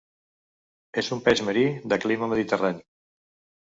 És un peix marí de clima mediterrani.